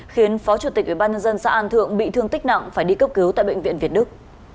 khiến phó chủ tịch ubnd xã an thượng bị thương tích nặng phải đi cấp cứu tại bệnh viện việt đức